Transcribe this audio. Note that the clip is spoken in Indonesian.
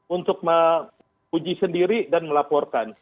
untuk menguji sendiri dan melaporkan